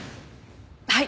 はい！